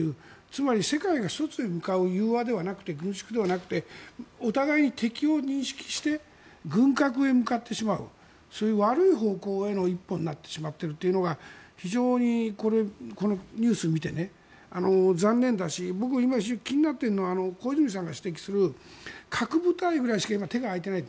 つまり世界が一つに向かう融和ではなくて軍縮ではなくてお互いに敵を認識して軍拡へ向かってしまうそういう悪い方向への一歩になってしまっているというのが非常にこのニュースを見て残念だし僕が今気になっているのは小泉さんが指摘する核部隊ぐらいしか今、手が空いていない。